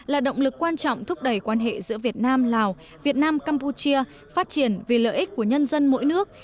là động lực quan trọng thúc đẩy quan hệ giữa việt nam lào việt nam campuchia phát triển vì lợi ích của nhân dân mỗi nước